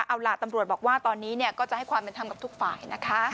เอาล่ะตำรวจบอกว่าตอนนี้ก็จะให้ความเป็นธรรมกับทุกฝ่ายนะคะ